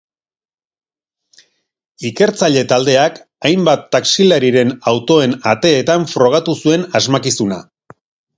Ikertzaile taldeak hainbat taxilarien autoen ateetan frogatu zuen asmakizuna.